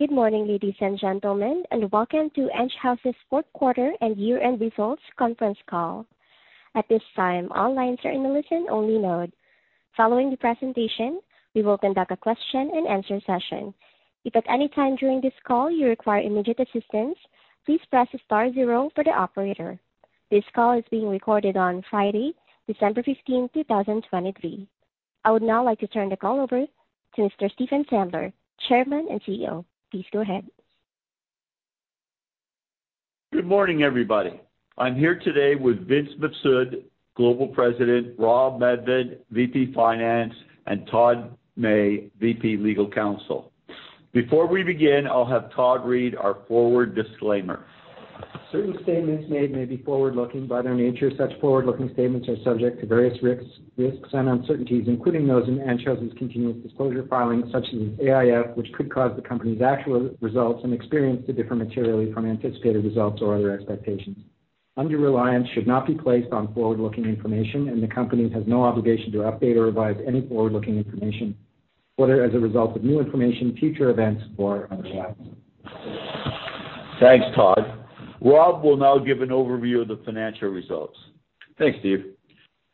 Good morning, ladies and gentlemen, and welcome to Enghouse's fourth quarter and year-end results conference call. At this time, all lines are in a listen-only mode. Following the presentation, we will conduct a question-and-answer session. If at any time during this call you require immediate assistance, please press star zero for the operator. This call is being recorded on Friday, December 15, 2023. I would now like to turn the call over to Mr. Stephen Sadler, Chairman and CEO. Please go ahead. Good morning, everybody. I'm here today with Vince Mifsud, Global President, Rob Medved, VP Finance, and Todd May, VP Legal Counsel. Before we begin, I'll have Todd read our forward disclaimer. Certain statements made may be forward-looking. By their nature, such forward-looking statements are subject to various risks and uncertainties, including those in Enghouse's continuous disclosure filings, such as AIF, which could cause the company's actual results and experience to differ materially from anticipated results or other expectations. Undue reliance should not be placed on forward-looking information, and the company has no obligation to update or revise any forward-looking information, whether as a result of new information, future events, or otherwise. Thanks, Todd. Rob will now give an overview of the financial results. Thanks, Steve.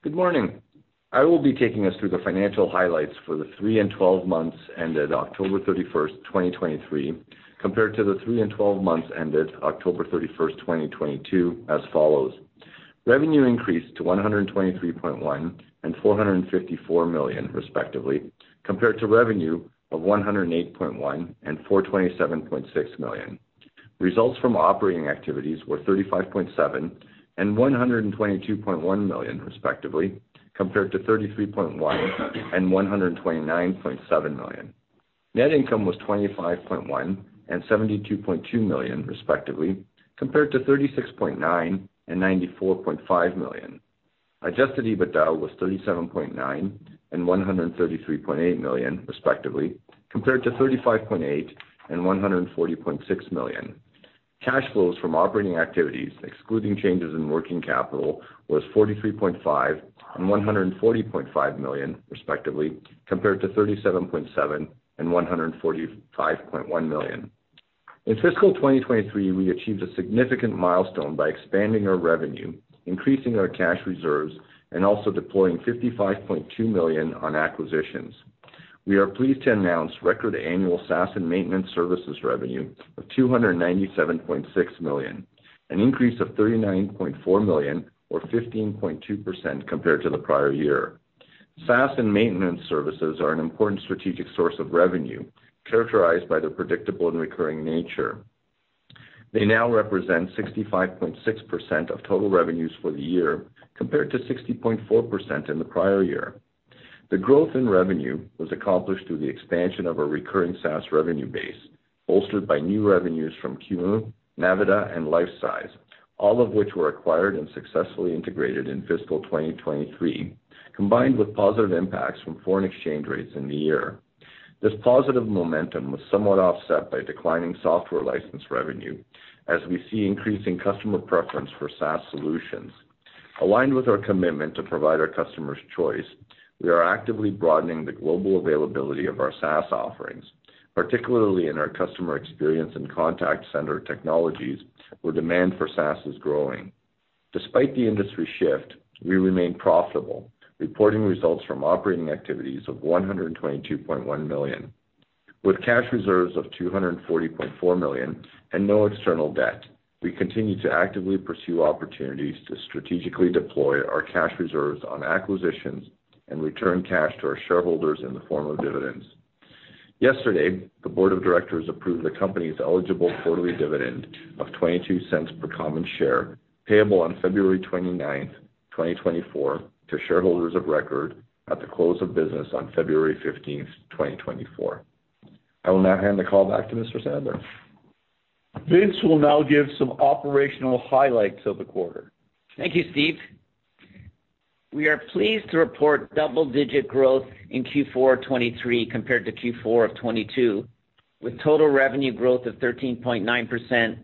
Good morning. I will be taking us through the financial highlights for the 3 and 12 months ended October 31st, 2023, compared to the 3 and 12 months ended October 31st, 2022, as follows: Revenue increased to 123.1 million and 454 million, respectively, compared to revenue of 108.1 million and 427.6 million. Results from operating activities were 35.7 million and 122.1 million, respectively, compared to 33.1 million and 129.7 million. Net income was 25.1 million and 72.2 million, respectively, compared to 36.9 million and 94.5 million. Adjusted EBITDA was 37.9 million and 133.8 million, respectively, compared to 35.8 million and 140.6 million. Cash flows from operating activities, excluding changes in working capital, was 43.5 million and 140.5 million, respectively, compared to 37.7 million and 145.1 million. In fiscal 2023, we achieved a significant milestone by expanding our revenue, increasing our cash reserves, and also deploying 55.2 million on acquisitions. We are pleased to announce record annual SaaS and maintenance services revenue of 297.6 million, an increase of 39.4 million, or 15.2%, compared to the prior year. SaaS and maintenance services are an important strategic source of revenue, characterized by their predictable and recurring nature. They now represent 65.6% of total revenues for the year, compared to 60.4% in the prior year. The growth in revenue was accomplished through the expansion of our recurring SaaS revenue base, bolstered by new revenues from Qumu, Navita, and Lifesize, all of which were acquired and successfully integrated in fiscal 2023, combined with positive impacts from foreign exchange rates in the year. This positive momentum was somewhat offset by declining software license revenue, as we see increasing customer preference for SaaS solutions. Aligned with our commitment to provide our customers choice, we are actively broadening the global availability of our SaaS offerings, particularly in our customer experience and contact center technologies, where demand for SaaS is growing. Despite the industry shift, we remain profitable, reporting results from operating activities of 122.1 million. With cash reserves of 240.4 million and no external debt, we continue to actively pursue opportunities to strategically deploy our cash reserves on acquisitions and return cash to our shareholders in the form of dividends. Yesterday, the board of directors approved the company's eligible quarterly dividend of 0.22 per common share, payable on February twenty-ninth, 2024, to shareholders of record at the close of business on February fifteenth, 2024. I will now hand the call back to Mr. Sadler. Vince will now give some operational highlights of the quarter. Thank you, Steve. We are pleased to report double-digit growth in Q4 2023 compared to Q4 of 2022, with total revenue growth of 13.9%,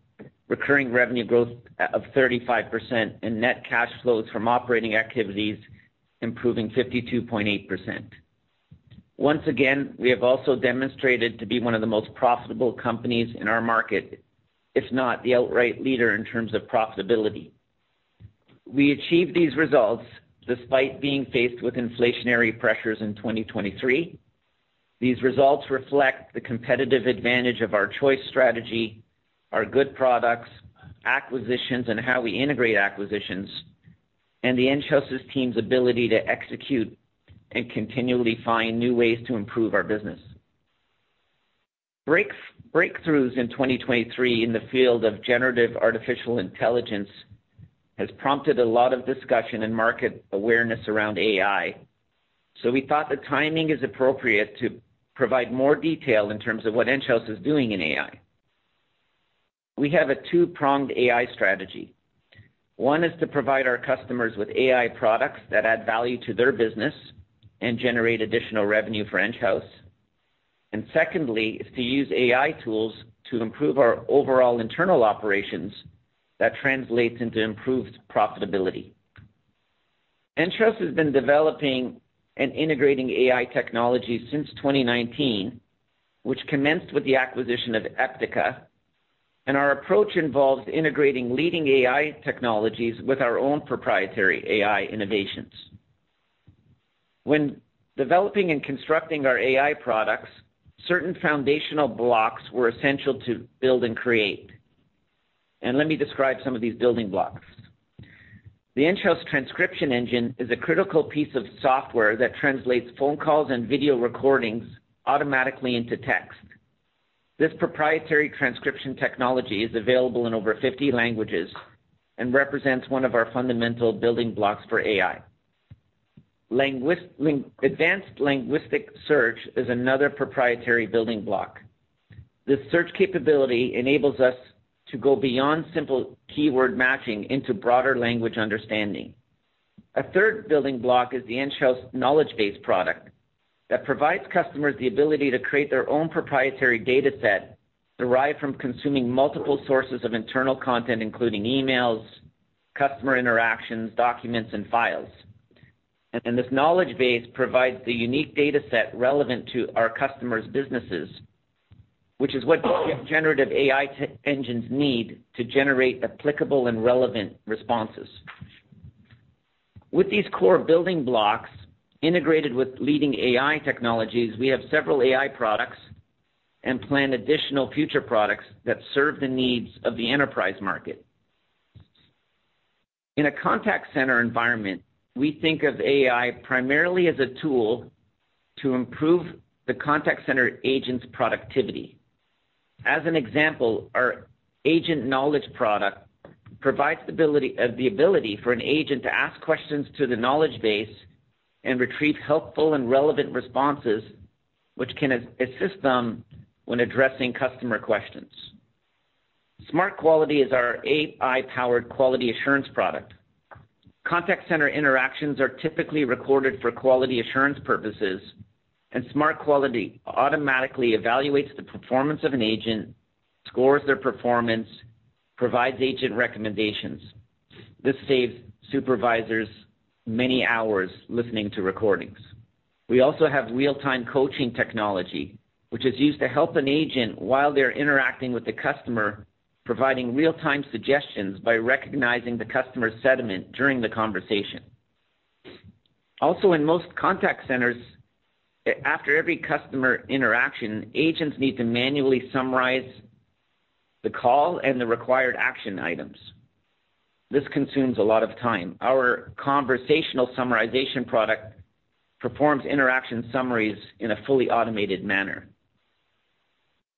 recurring revenue growth of 35%, and net cash flows from operating activities improving 52.8%. Once again, we have also demonstrated to be one of the most profitable companies in our market, if not the outright leader in terms of profitability. We achieved these results despite being faced with inflationary pressures in 2023. These results reflect the competitive advantage of our choice strategy, our good products, acquisitions, and how we integrate acquisitions, and the Enghouse's team's ability to execute and continually find new ways to improve our business. Breakthroughs in 2023 in the field of generative artificial intelligence has prompted a lot of discussion and market awareness around AI, so we thought the timing is appropriate to provide more detail in terms of what Enghouse is doing in AI. We have a two-pronged AI strategy. One is to provide our customers with AI products that add value to their business and generate additional revenue for Enghouse. And secondly, is to use AI tools to improve our overall internal operations that translates into improved profitability.... Enghouse has been developing and integrating AI technology since 2019, which commenced with the acquisition of Eptica, and our approach involves integrating leading AI technologies with our own proprietary AI innovations. When developing and constructing our AI products, certain foundational blocks were essential to build and create, and let me describe some of these building blocks. The Enghouse transcription engine is a critical piece of software that translates phone calls and Vidyo recordings automatically into text. This proprietary transcription technology is available in over 50 languages and represents one of our fundamental building blocks for AI. Advanced linguistic search is another proprietary building block. This search capability enables us to go beyond simple keyword matching into broader language understanding. A third building block is the Enghouse knowledge base product, that provides customers the ability to create their own proprietary data set, derived from consuming multiple sources of internal content, including emails, customer interactions, documents, and files. This knowledge base provides the unique data set relevant to our customers' businesses, which is what generative AI tech engines need to generate applicable and relevant responses. With these core building blocks, integrated with leading AI technologies, we have several AI products and plan additional future products that serve the needs of the enterprise market. In a contact center environment, we think of AI primarily as a tool to improve the contact center agent's productivity. As an example, our agent knowledge product provides the ability, the ability for an agent to ask questions to the knowledge base and retrieve helpful and relevant responses, which can assist them when addressing customer questions. SmartQuality is our AI-powered quality assurance product. Contact center interactions are typically recorded for quality assurance purposes, and SmartQuality automatically evaluates the performance of an agent, scores their performance, provides agent recommendations. This saves supervisors many hours listening to recordings. We also have real-time coaching technology, which is used to help an agent while they're interacting with the customer, providing real-time suggestions by recognizing the customer's sentiment during the conversation. Also, in most contact centers, after every customer interaction, agents need to manually summarize the call and the required action items. This consumes a lot of time. Our conversational summarization product performs interaction summaries in a fully automated manner.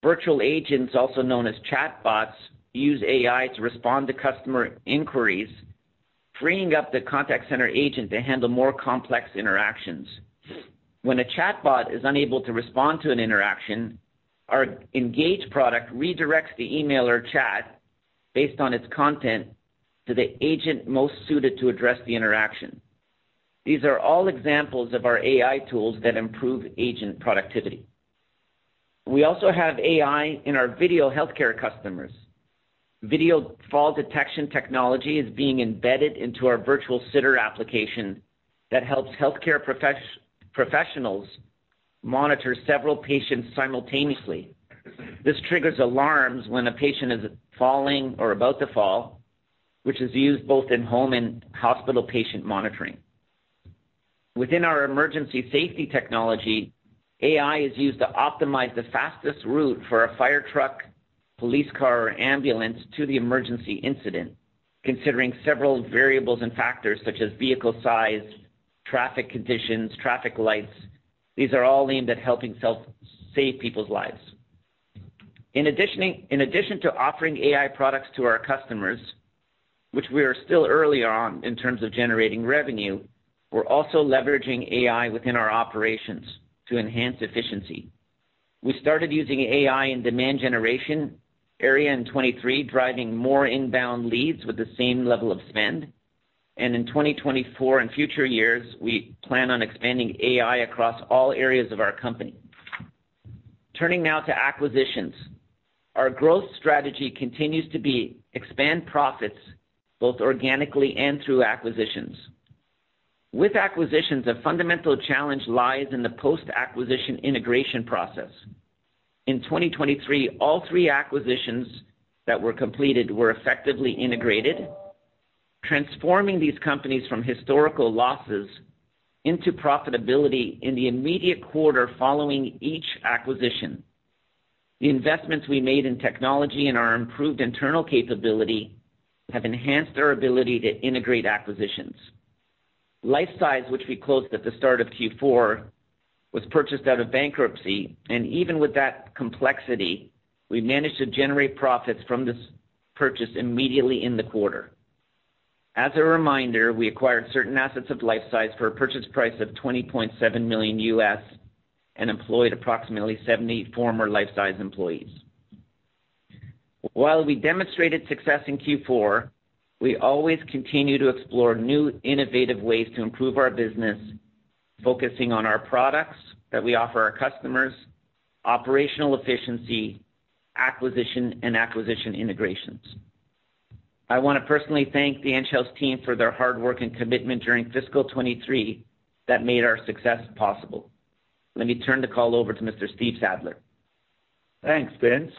Virtual agents, also known as chatbots, use AI to respond to customer inquiries, freeing up the contact center agent to handle more complex interactions. When a chatbot is unable to respond to an interaction, our Engage product redirects the email or chat based on its content, to the agent most suited to address the interaction. These are all examples of our AI tools that improve agent productivity. We also have AI in our video healthcare customers. Video fall detection technology is being embedded into our virtual sitter application that helps healthcare professionals monitor several patients simultaneously. This triggers alarms when a patient is falling or about to fall, which is used both in home and hospital patient monitoring. Within our emergency safety technology, AI is used to optimize the fastest route for a fire truck, police car, or ambulance to the emergency incident, considering several variables and factors such as vehicle size, traffic conditions, traffic lights. These are all aimed at helping save people's lives. In addition to offering AI products to our customers, which we are still early on in terms of generating revenue, we're also leveraging AI within our operations to enhance efficiency. We started using AI in demand generation in 2023, driving more inbound leads with the same level of spend. In 2024 and future years, we plan on expanding AI across all areas of our company. Turning now to acquisitions. Our growth strategy continues to be expand profits, both organically and through acquisitions. With acquisitions, a fundamental challenge lies in the post-acquisition integration process. In 2023, all three acquisitions that were completed were effectively integrated, transforming these companies from historical losses into profitability in the immediate quarter following each acquisition. The investments we made in technology and our improved internal capability, have enhanced our ability to integrate acquisitions. Lifesize, which we closed at the start of Q4, was purchased out of bankruptcy, and even with that complexity, we managed to generate profits from this purchase immediately in the quarter. As a reminder, we acquired certain assets of Lifesize for a purchase price of $20.7 million, and employed approximately 70 former Lifesize employees. While we demonstrated success in Q4, we always continue to explore new innovative ways to improve our business, focusing on our products that we offer our customers, operational efficiency, acquisition and acquisition integrations. I wanna personally thank the Enghouse team for their hard work and commitment during fiscal 2023 that made our success possible. Let me turn the call over to Mr. Steve Sadler. Thanks, Vince.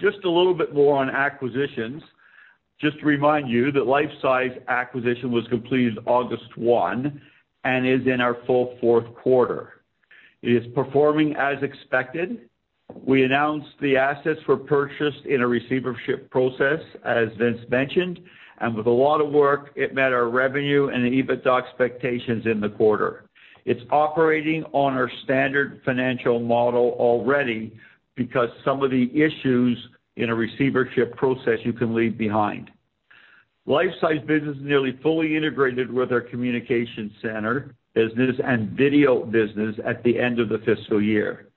Just a little bit more on acquisitions. Just to remind you, that Lifesize acquisition was completed August one and is in our full fourth quarter. It is performing as expected. We announced the assets were purchased in a receivership process, as Vince mentioned, and with a lot of work, it met our revenue and EBITDA expectations in the quarter. It's operating on our standard financial model already because some of the issues in a receivership process, you can leave behind. Lifesize business is nearly fully integrated with our communication center business and video business at the end of the fiscal year.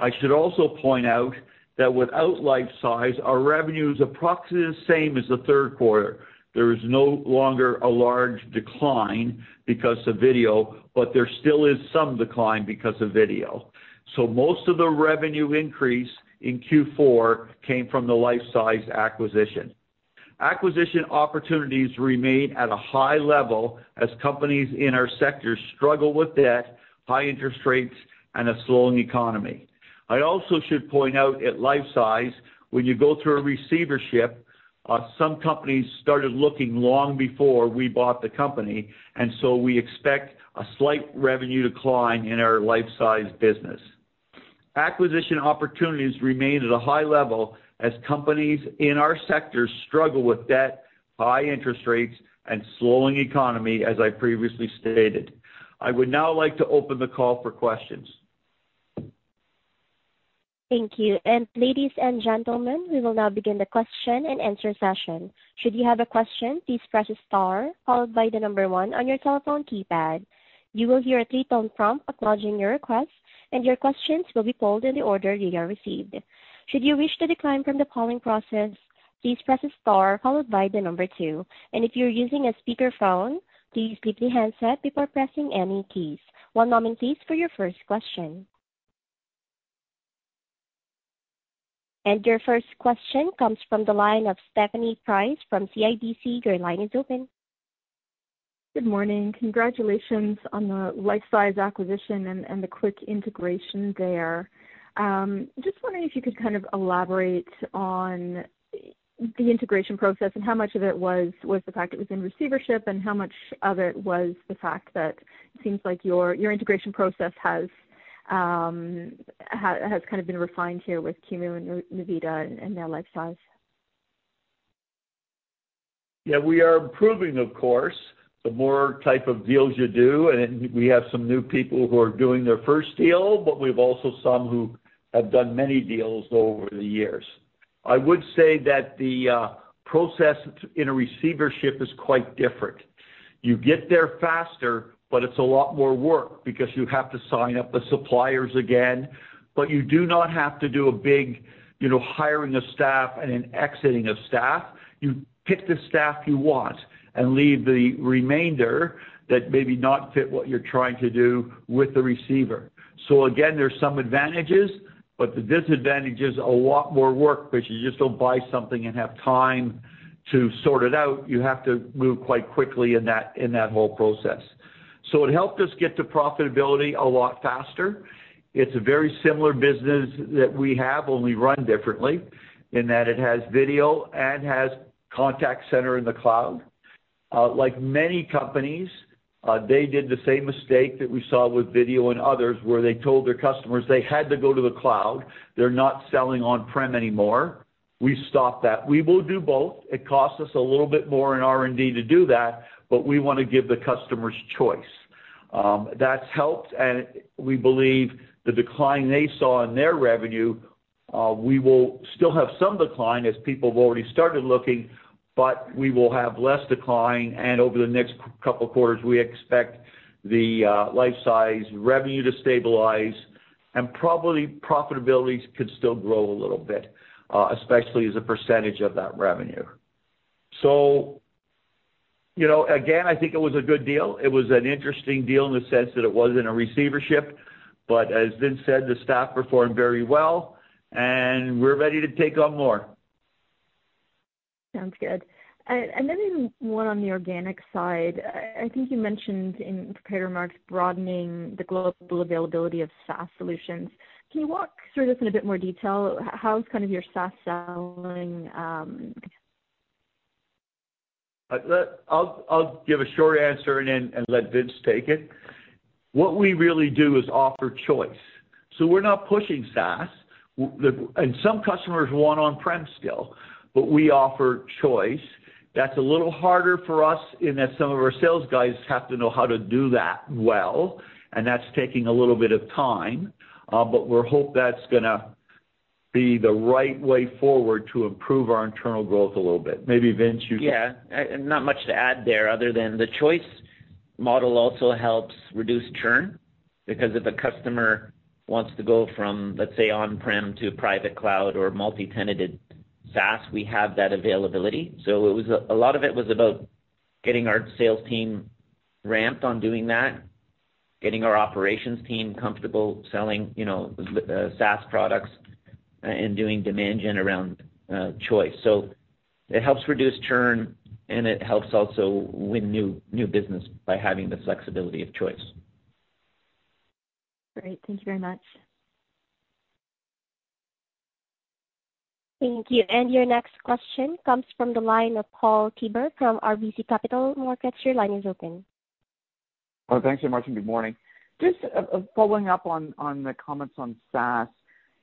I should also point out, that without Lifesize, our revenue is approximately the same as the third quarter. There is no longer a large decline because of video, but there still is some decline because of video. So most of the revenue increase in Q4 came from the Lifesize acquisition. Acquisition opportunities remain at a high level as companies in our sector struggle with debt, high interest rates, and a slowing economy. I also should point out, at Lifesize, when you go through a receivership, some companies started looking long before we bought the company, and so we expect a slight revenue decline in our Lifesize business. Acquisition opportunities remain at a high level as companies in our sectors struggle with debt, high interest rates, and slowing economy, as I previously stated. I would now like to open the call for questions. Thank you. Ladies and gentlemen, we will now begin the question and answer session. Should you have a question, please press star followed by the number one on your telephone keypad. You will hear a 3-tone prompt acknowledging your request, and your questions will be pulled in the order you are received. Should you wish to decline from the polling process, please press star followed by the number two. If you're using a speakerphone, please keep the handset before pressing any keys. One moment, please, for your first question. Your first question comes from the line of Stephanie Price from CIBC. Your line is open. Good morning. Congratulations on the Lifesize acquisition and the quick integration there. Just wondering if you could kind of elaborate on the integration process and how much of it was the fact it was in receivership, and how much of it was the fact that it seems like your integration process has kind of been refined here with Qumu and Vidyo and now Lifesize? Yeah, we are improving, of course, the more type of deals you do, and we have some new people who are doing their first deal, but we've also some who have done many deals over the years. I would say that the process in a receivership is quite different. You get there faster, but it's a lot more work because you have to sign up the suppliers again, but you do not have to do a big, you know, hiring of staff and an exiting of staff. You pick the staff you want and leave the remainder that maybe not fit what you're trying to do with the receiver. So again, there's some advantages, but the disadvantage is a lot more work, because you just don't buy something and have time to sort it out. You have to move quite quickly in that whole process. It helped us get to profitability a lot faster. It's a very similar business that we have, only run differently, in that it has video and has contact center in the cloud. Like many companies, they did the same mistake that we saw with video and others, where they told their customers they had to go to the cloud. They're not selling on-prem anymore. We stopped that. We will do both. It costs us a little bit more in R&D to do that, but we wanna give the customers choice. That's helped, and we believe the decline they saw in their revenue, we will still have some decline as people have already started looking, but we will have less decline, and over the next couple of quarters, we expect the Lifesize revenue to stabilize and probably profitability could still grow a little bit, especially as a percentage of that revenue. So, you know, again, I think it was a good deal. It was an interesting deal in the sense that it was in a receivership, but as Vince said, the staff performed very well, and we're ready to take on more. Sounds good. And then one on the organic side. I think you mentioned in prepared remarks, broadening the global availability of SaaS solutions. Can you walk through this in a bit more detail? How's kind of your SaaS selling? I'll give a short answer and then let Vince take it. What we really do is offer choice, so we're not pushing SaaS. Some customers want on-prem still, but we offer choice. That's a little harder for us in that some of our sales guys have to know how to do that well, and that's taking a little bit of time, but we're hoping that's gonna be the right way forward to improve our internal growth a little bit. Maybe, Vince, you- Yeah, not much to add there other than the choice model also helps reduce churn, because if a customer wants to go from, let's say, on-prem to private cloud or multi-tenanted SaaS, we have that availability. So it was a lot of it was about getting our sales team ramped on doing that, getting our operations team comfortable selling, you know, the SaaS products and doing demand gen around choice. So it helps reduce churn, and it helps also win new business by having the flexibility of choice. Great. Thank you very much. Thank you. Your next question comes from the line of Paul Treiber from RBC Capital Markets. Your line is open. Well, thanks so much, and good morning. Just following up on the comments on SaaS,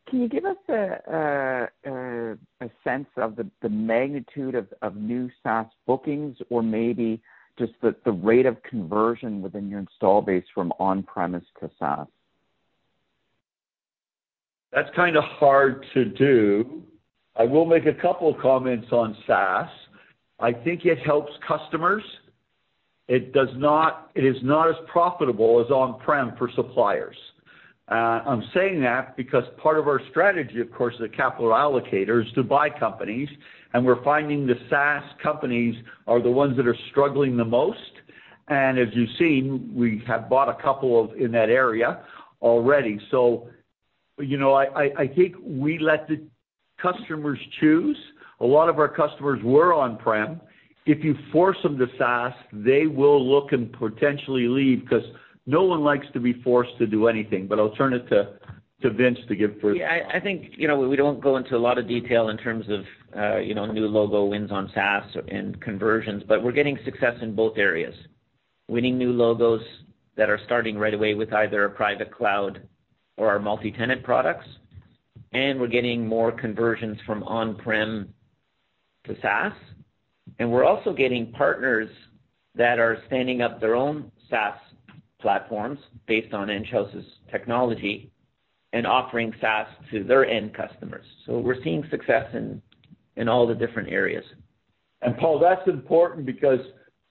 can you give us a sense of the magnitude of new SaaS bookings or maybe just the rate of conversion within your install base from on-premise to SaaS? That's kind of hard to do. I will make a couple comments on SaaS. I think it helps customers. It does not—it is not as profitable as on-prem for suppliers. I'm saying that because part of our strategy, of course, as a capital allocator, is to buy companies, and we're finding the SaaS companies are the ones that are struggling the most. And as you've seen, we have bought a couple of in that area already. So, you know, I think we let the customers choose. A lot of our customers were on-prem. If you force them to SaaS, they will look and potentially leave, 'cause no one likes to be forced to do anything. But I'll turn it to Vince to give further- Yeah, I think, you know, we don't go into a lot of detail in terms of, you know, new logo wins on SaaS and conversions, but we're getting success in both areas. Winning new logos that are starting right away with either a private cloud or our multi-tenant products, and we're getting more conversions from on-prem to SaaS. And we're also getting partners that are standing up their own SaaS platforms based on Enghouse's technology and offering SaaS to their end customers. So we're seeing success in all the different areas. And Paul, that's important because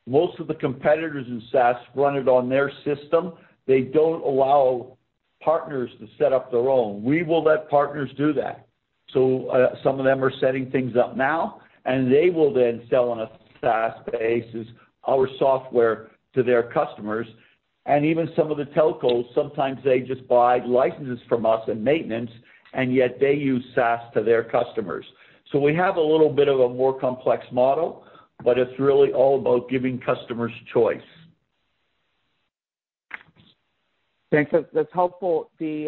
most of the competitors in SaaS run it on their system. They don't allow partners to set up their own. We will let partners do that. So, some of them are setting things up now, and they will then sell on a SaaS basis, our software to their customers. And even some of the telcos, sometimes they just buy licenses from us and maintenance, and yet they use SaaS to their customers. So we have a little bit of a more complex model, but it's really all about giving customers choice. Thanks. That's helpful. The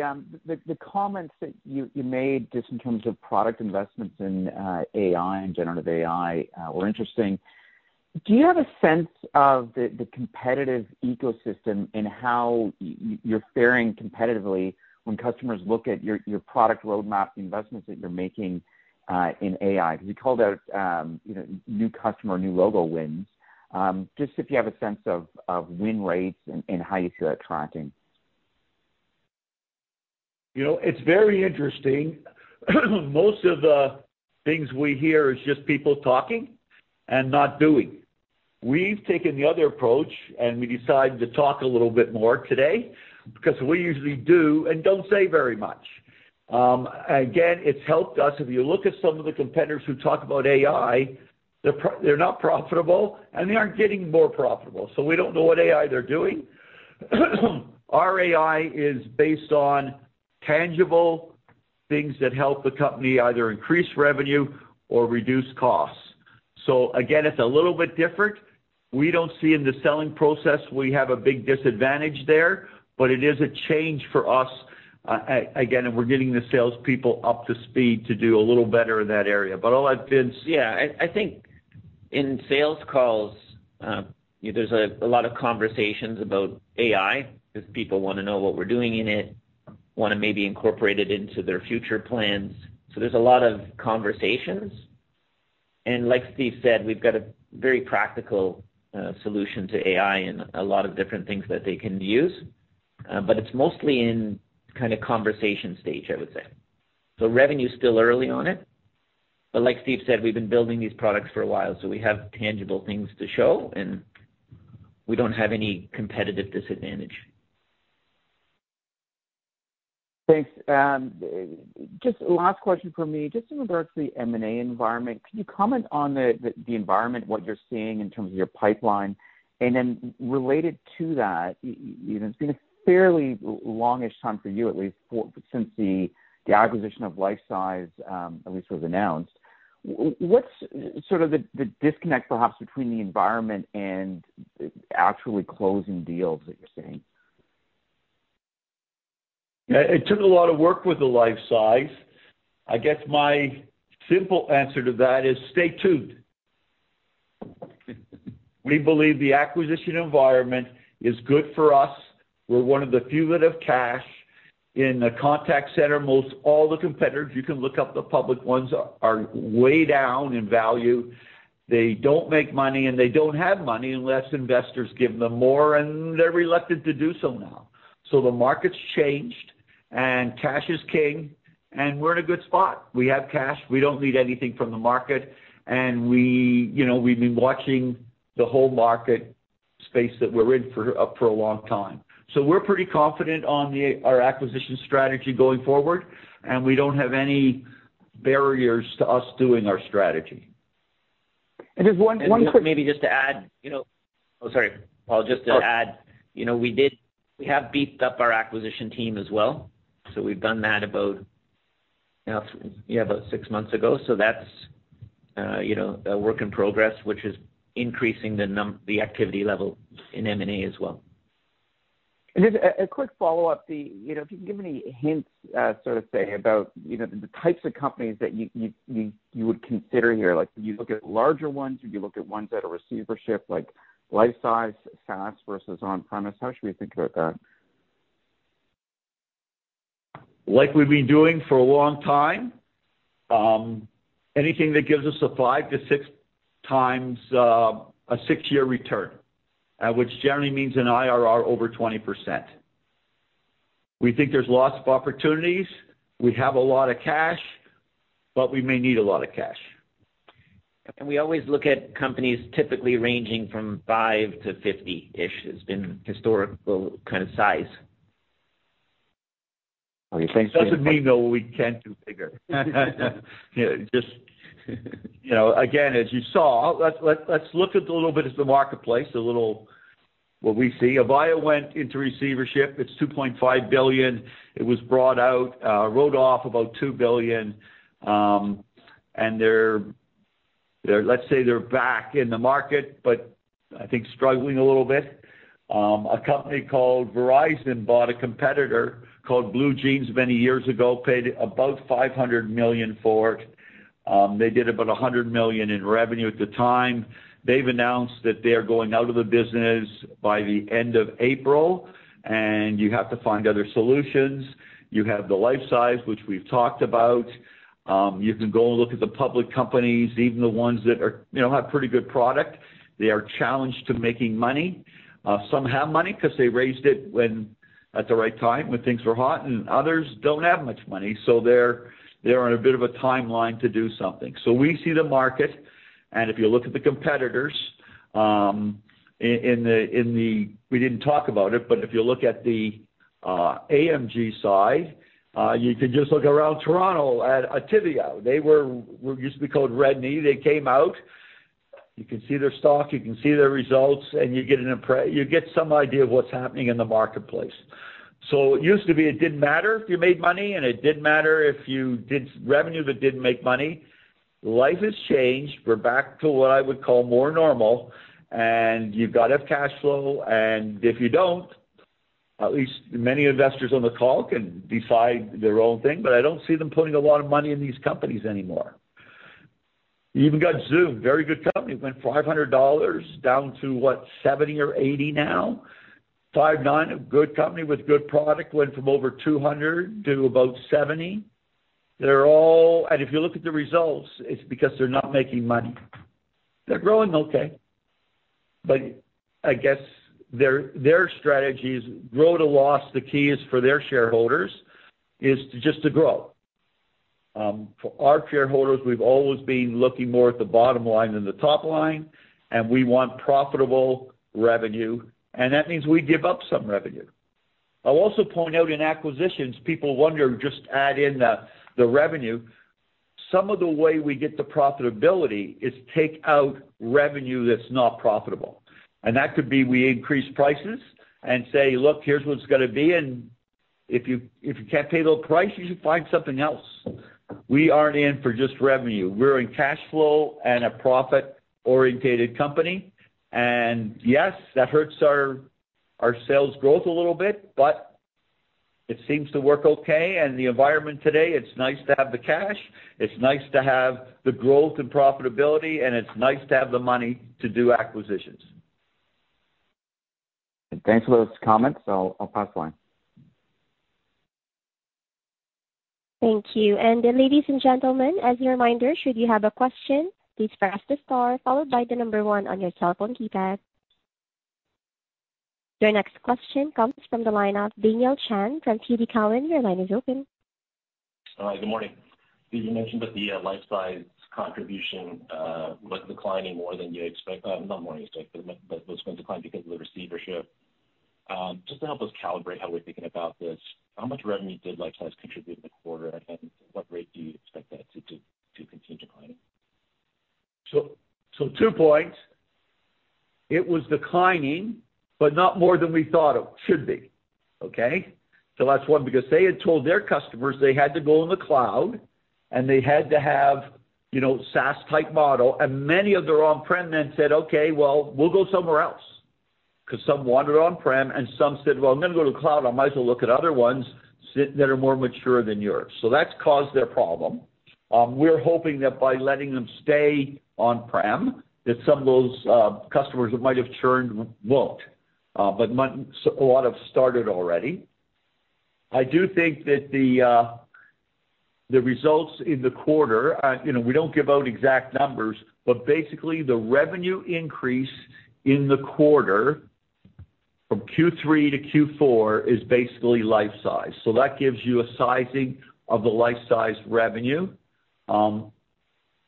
comments that you made just in terms of product investments in AI and generative AI were interesting. Do you have a sense of the competitive ecosystem and how you're faring competitively when customers look at your product roadmap, the investments that you're making in AI? Because you called out, you know, new customer, new logo wins. Just if you have a sense of win rates and how you feel that tracking. You know, it's very interesting. Most of the things we hear is just people talking and not doing. We've taken the other approach, and we decided to talk a little bit more today because we usually do and don't say very much. Again, it's helped us. If you look at some of the competitors who talk about AI, they're not profitable, and they aren't getting more profitable, so we don't know what AI they're doing. Our AI is based on tangible things that help the company either increase revenue or reduce costs. So again, it's a little bit different. We don't see in the selling process, we have a big disadvantage there, but it is a change for us, again, and we're getting the salespeople up to speed to do a little better in that area. But I'll let Vince- Yeah. I, I think in sales calls, there's a lot of conversations about AI, because people wanna know what we're doing in it, wanna maybe incorporate it into their future plans. So there's a lot of conversations, and like Steve said, we've got a very practical solution to AI and a lot of different things that they can use. But it's mostly in kind of conversation stage, I would say. So revenue is still early on it, but like Steve said, we've been building these products for a while, so we have tangible things to show, and we don't have any competitive disadvantage. Thanks. Just last question from me. Just in regards to the M&A environment, can you comment on the environment, what you're seeing in terms of your pipeline? And then related to that, you know, it's been a fairly longish time for you at least, since the acquisition of Lifesize, at least was announced. What's sort of the disconnect perhaps between the environment and actually closing deals that you're seeing? It took a lot of work with the Lifesize. I guess my simple answer to that is stay tuned. We believe the acquisition environment is good for us. We're one of the few that have cash in the contact center. Most all the competitors, you can look up, the public ones are, are way down in value. They don't make money, and they don't have money unless investors give them more, and they're reluctant to do so now. So the market's changed, and cash is king, and we're in a good spot. We have cash. We don't need anything from the market, and we, you know, we've been watching the whole market space that we're in for, for a long time. So we're pretty confident on the, our acquisition strategy going forward, and we don't have any barriers to us doing our strategy.... And just one quick- Maybe just to add, you know. Oh, sorry, Paul, just to add, you know, we did, we have beefed up our acquisition team as well. So we've done that about, now, yeah, about six months ago. So that's, you know, a work in progress, which is increasing the activity level in M&A as well. Just a quick follow-up, you know, if you can give any hints, so to say, about, you know, the types of companies that you would consider here. Like, do you look at larger ones? Do you look at ones that are receivership, like Lifesize SaaS versus on-premise? How should we think about that? Like we've been doing for a long time, anything that gives us a 5-6 times, a 6-year return, which generally means an IRR over 20%. We think there's lots of opportunities. We have a lot of cash, but we may need a lot of cash. We always look at companies typically ranging from 5 to 50-ish, has been historical kind of size. Okay, thanks- Doesn't mean, though, we can't do bigger. You know, just, you know, again, as you saw, let's, let's, let's look at a little bit of the marketplace, a little what we see. Avaya went into receivership. It's $2.5 billion. It was brought out, wrote off about $2 billion, and they're, they're, let's say, they're back in the market, but I think struggling a little bit. A company called Verizon bought a competitor called BlueJeans many years ago, paid about $500 million for it. They did about $100 million in revenue at the time. They've announced that they're going out of the business by the end of April, and you have to find other solutions. You have the Lifesize, which we've talked about. You can go and look at the public companies, even the ones that are, you know, have pretty good product. They are challenged to making money. Some have money because they raised it when, at the right time, when things were hot, and others don't have much money, so they're, they're on a bit of a timeline to do something. So we see the market, and if you look at the competitors, in, in the, in the... We didn't talk about it, but if you look at the AMG side, you can just look around Toronto at Optiva. They were used to be called Redknee. They came out. You can see their stock, you can see their results, and you get some idea of what's happening in the marketplace. So it used to be, it didn't matter if you made money, and it didn't matter if you did revenue but didn't make money. Life has changed. We're back to what I would call more normal, and you've got to have cash flow, and if you don't, at least many investors on the call can decide their own thing, but I don't see them putting a lot of money in these companies anymore. You even got Zoom, very good company, went $500 down to, what, $70 or $80 now? Five9, a good company with good product, went from over $200 to about $70. They're all- And if you look at the results, it's because they're not making money. They're growing okay, but I guess their, their strategy is grow to loss. The key is for their shareholders, is to just to grow. For our shareholders, we've always been looking more at the bottom line than the top line, and we want profitable revenue, and that means we give up some revenue. I'll also point out in acquisitions, people wonder, just add in the revenue. Some of the way we get the profitability is take out revenue that's not profitable, and that could be we increase prices and say, "Look, here's what it's gonna be, and if you, if you can't pay the price, you should find something else." We aren't in for just revenue. We're in cash flow and a profit-oriented company. And yes, that hurts our sales growth a little bit, but it seems to work okay. And the environment today, it's nice to have the cash, it's nice to have the growth and profitability, and it's nice to have the money to do acquisitions. Thanks for those comments. I'll pass the line. Thank you. Ladies and gentlemen, as a reminder, should you have a question, please press the star followed by the number one on your telephone keypad. Your next question comes from the line of Daniel Chan from TD Cowen. Your line is open. Good morning. You mentioned that the Lifesize contribution was declining more than you expect—not more than you expect, but was going to decline because of the receivership. Just to help us calibrate how we're thinking about this, how much revenue did Lifesize contribute in the quarter? And what rate do you expect that to continue declining? So, two points. It was declining, but not more than we thought it should be. Okay? So that's one, because they had told their customers they had to go in the cloud and they had to have, you know, SaaS-type model, and many of their on-prem then said, "Okay, well, we'll go somewhere else." Because some wanted on-prem, and some said, "Well, I'm gonna go to the cloud. I might as well look at other ones that are more mature than yours." So that's caused their problem. We're hoping that by letting them stay on-prem, that some of those customers that might have churned won't, but so a lot have started already. I do think that the results in the quarter, you know, we don't give out exact numbers, but basically, the revenue increase in the quarter from Q3 to Q4 is basically Lifesize. So that gives you a sizing of the Lifesize revenue.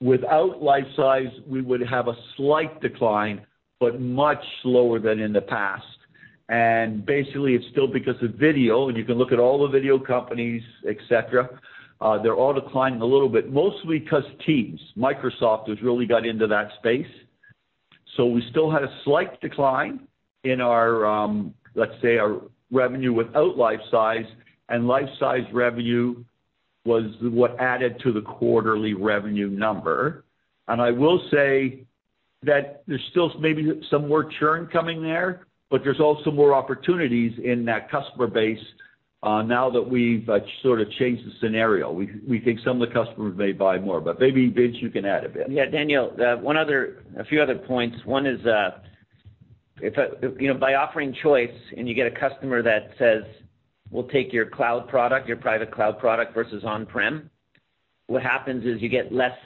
Without Lifesize, we would have a slight decline, but much lower than in the past... and basically, it's still because of video, and you can look at all the video companies, et cetera, they're all declining a little bit, mostly 'cause Teams. Microsoft has really got into that space. So we still had a slight decline in our, let's say, our revenue without Lifesize, and Lifesize revenue was what added to the quarterly revenue number. I will say that there's still maybe some more churn coming there, but there's also more opportunities in that customer base, now that we've sort of changed the scenario. We think some of the customers may buy more, but maybe, Vince, you can add a bit. Yeah, Daniel, one other, a few other points. One is, if you know, by offering choice and you get a customer that says: We'll take your cloud product, your private cloud product versus on-prem, what happens is you get less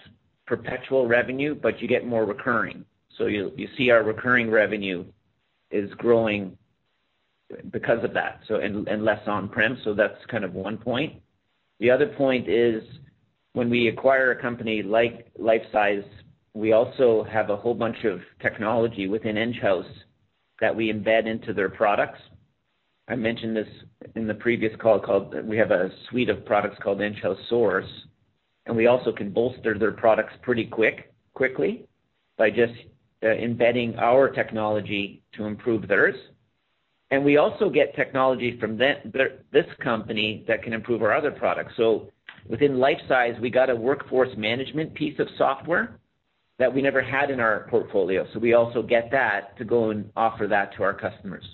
perpetual revenue, but you get more recurring. So you, you see our recurring revenue is growing because of that, so and less on-prem, so that's kind of one point. The other point is, when we acquire a company like Lifesize, we also have a whole bunch of technology within Enghouse that we embed into their products. I mentioned this in the previous call. We have a suite of products called Enghouse Source, and we also can bolster their products pretty quickly by just embedding our technology to improve theirs. We also get technology from them, this company that can improve our other products. Within Lifesize, we got a workforce management piece of software that we never had in our portfolio, so we also get that to go and offer that to our customers.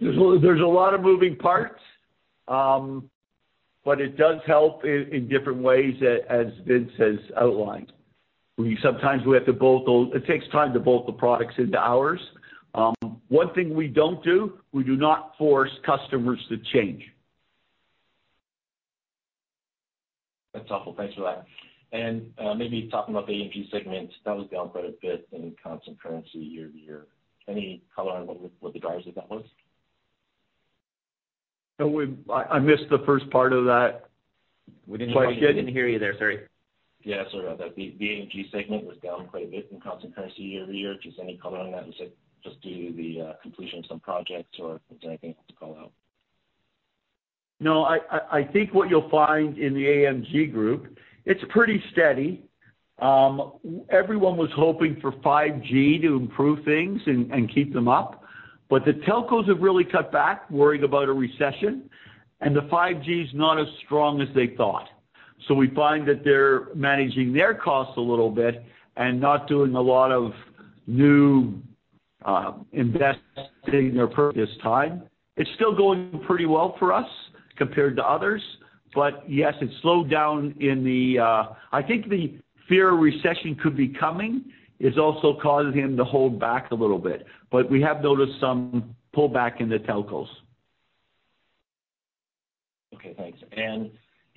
There's a lot of moving parts, but it does help in different ways, as Vince has outlined. We sometimes have to bolt those. It takes time to bolt the products into ours. One thing we don't do, we do not force customers to change. That's helpful. Thanks for that. And, maybe talking about the AMG segment, that was down quite a bit in constant currency year-over-year. Any color on what the, what the drivers of that was? No, I missed the first part of that. We didn't- Quite good. We didn't hear you there, sorry. Yeah, sorry about that. The, the AMG segment was down quite a bit in constant currency year-over-year. Just any color on that, and is it just due to the completion of some projects, or is there anything to call out? No, I think what you'll find in the AMG group, it's pretty steady. Everyone was hoping for 5G to improve things and keep them up, but the telcos have really cut back, worrying about a recession, and the 5G is not as strong as they thought. So we find that they're managing their costs a little bit and not doing a lot of new investing their purchase time. It's still going pretty well for us compared to others, but yes, it's slowed down in the. I think the fear a recession could be coming is also causing them to hold back a little bit. But we have noticed some pullback in the telcos. Okay, thanks. And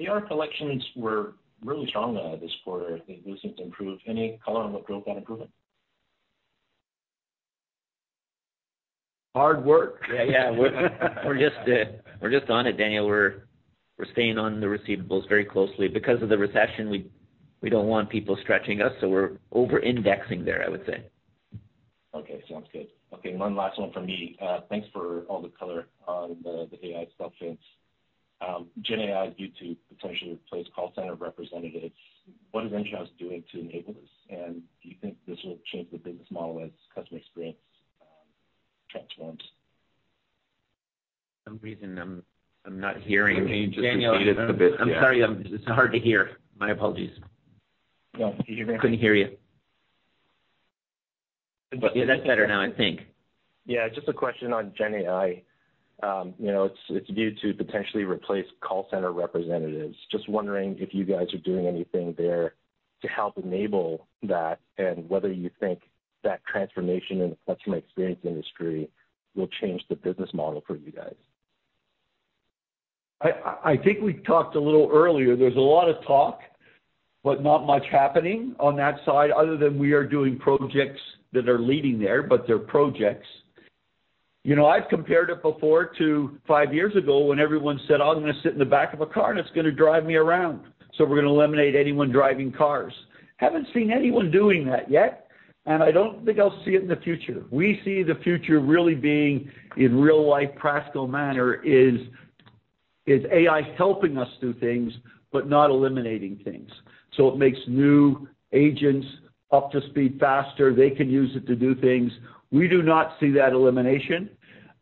AR collections were really strong, this quarter. It seems to improve. Any color on what drove that improvement? Hard work. Yeah, yeah, we're just on it, Daniel. We're staying on the receivables very closely. Because of the recession, we don't want people stretching us, so we're over-indexing there, I would say. Okay, sounds good. Okay, one last one from me. Thanks for all the color on the AI substance. GenAI is due to potentially replace call center representatives. What is Enghouse doing to enable this? Do you think this will change the business model as customer experience transforms? Some reason, I'm, I'm not hearing you- Daniel. Just a bit, yeah. I'm sorry, it's hard to hear. My apologies. No, can you hear me? Couldn't hear you. But, yeah, that's better now, I think. Yeah, just a question on GenAI. You know, it's viewed to potentially replace call center representatives. Just wondering if you guys are doing anything there to help enable that, and whether you think that transformation in the customer experience industry will change the business model for you guys. I think we talked a little earlier. There's a lot of talk, but not much happening on that side other than we are doing projects that are leading there, but they're projects. You know, I've compared it before to five years ago when everyone said, "I'm gonna sit in the back of a car, and it's gonna drive me around, so we're gonna eliminate anyone driving cars." Haven't seen anyone doing that yet, and I don't think I'll see it in the future. We see the future really being in real life, practical manner, is AI helping us do things, but not eliminating things. So it makes new agents up to speed faster. They can use it to do things. We do not see that elimination.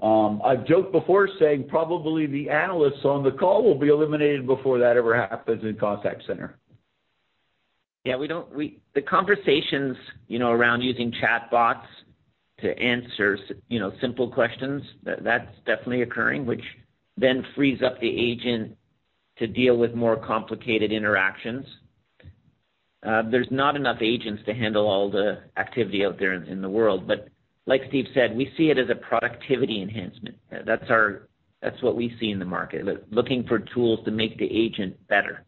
I've joked before saying probably the analysts on the call will be eliminated before that ever happens in contact center. Yeah, we don't. The conversations, you know, around using chatbots to answer, you know, simple questions, that's definitely occurring, which then frees up the agent to deal with more complicated interactions. There's not enough agents to handle all the activity out there in the world, but like Steve said, we see it as a productivity enhancement. That's what we see in the market, looking for tools to make the agent better.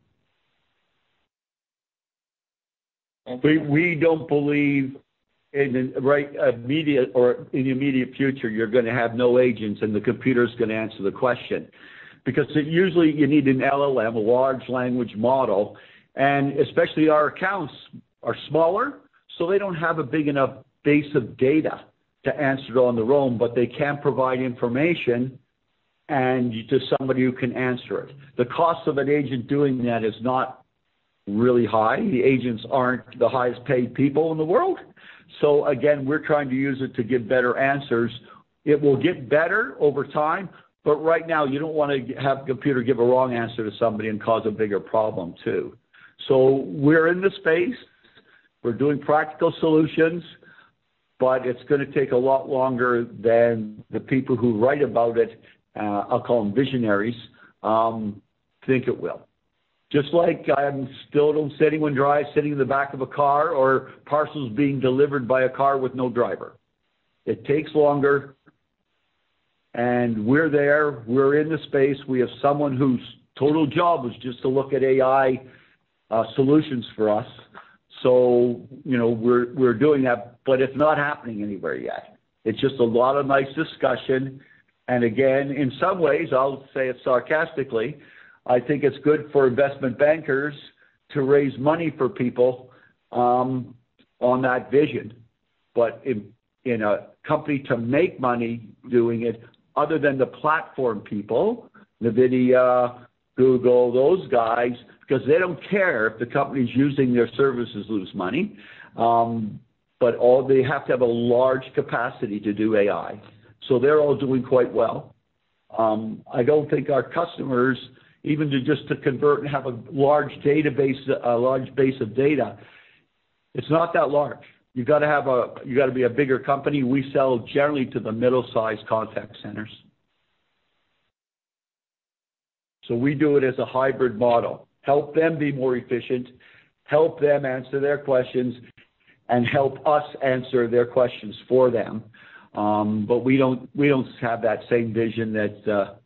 We don't believe in, right, immediate or in the immediate future, you're gonna have no agents and the computer's gonna answer the question. Because usually, you need an LLM, a large language model, and especially our accounts are smaller, so they don't have a big enough base of data to answer it on their own, but they can provide information and to somebody who can answer it. The cost of an agent doing that is not really high. The agents aren't the highest-paid people in the world. So again, we're trying to use it to give better answers. It will get better over time, but right now, you don't wanna have computer give a wrong answer to somebody and cause a bigger problem, too. So we're in the space, we're doing practical solutions, but it's gonna take a lot longer than the people who write about it, I'll call them visionaries, think it will. Just like I still don't see anyone drive, sitting in the back of a car or parcels being delivered by a car with no driver. It takes longer, and we're there. We're in the space. We have someone whose total job is just to look at AI, solutions for us. So, you know, we're, we're doing that, but it's not happening anywhere yet. It's just a lot of nice discussion. And again, in some ways, I'll say it sarcastically, I think it's good for investment bankers to raise money for people, on that vision. But in a company to make money doing it, other than the platform people, NVIDIA, Google, those guys, because they don't care if the company's using their services lose money, but all they have to have a large capacity to do AI. So they're all doing quite well. I don't think our customers, even to just convert and have a large database, a large base of data, it's not that large. You gotta be a bigger company. We sell generally to the middle-sized contact centers. So we do it as a hybrid model, help them be more efficient, help them answer their questions, and help us answer their questions for them. But we don't have that same vision that,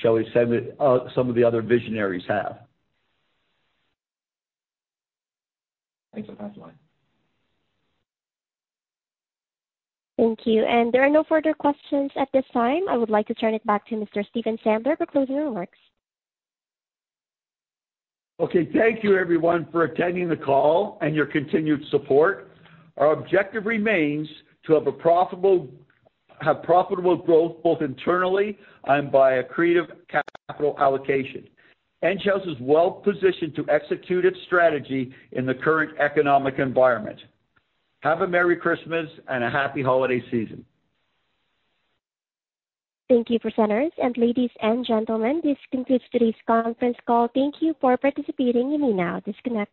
shall we say, that, some of the other visionaries have. Thanks for the pipeline. Thank you. There are no further questions at this time. I would like to turn it back to Mr. Stephen Sadler for closing remarks. Okay, thank you everyone for attending the call and your continued support. Our objective remains to have profitable growth, both internally and by accretive capital allocation. Enghouse is well-positioned to execute its strategy in the current economic environment. Have a merry Christmas and a happy holiday season. Thank you, presenters, and ladies and gentlemen, this concludes today's conference call. Thank you for participating. You may now disconnect.